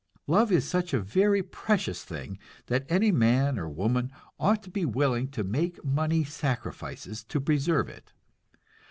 Love is such a very precious thing that any man or woman ought to be willing to make money sacrifices to preserve it.